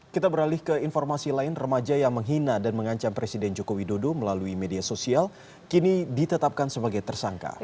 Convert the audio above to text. kita beralih ke informasi lain remaja yang menghina dan mengancam presiden joko widodo melalui media sosial kini ditetapkan sebagai tersangka